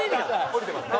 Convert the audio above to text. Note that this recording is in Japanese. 下りてますね。